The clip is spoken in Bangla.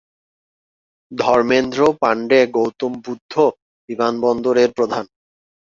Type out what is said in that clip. ধর্মেন্দ্র পান্ডে গৌতম বুদ্ধ বিমানবন্দরের প্রধান।